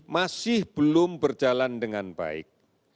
masih belum berjalan dengan baik